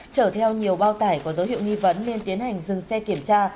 chở theo nhiều bao tải có dấu hiệu nghi vấn nên tiến hành dừng xe kiểm tra